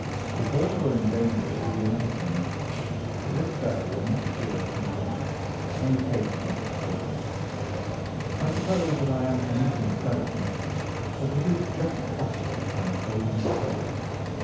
If Horner were in danger it would be another thing; but this fellow will not appear against him, and the case must collapse. I suppose that I am commuting a felony, but it is just possible that I am saving a soul.